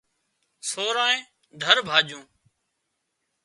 سورانئي ڌر ڀاڄون